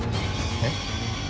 えっ？